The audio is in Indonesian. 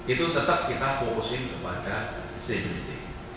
itu tetap kita fokusin kepada civility